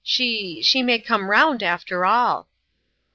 She she may come round after all